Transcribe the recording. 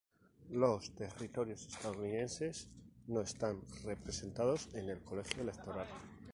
Los territorios estadounidenses no están representados en el Colegio Electoral.